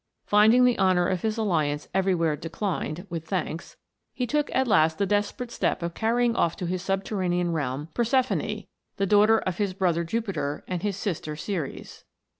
Finding the honour of his alliance everywhere " declined, with thanks," he took at last the desperate step of carrying off to his subterranean realm Proserpine, the daughter of his brother Jupi ter, and his sister Ceres.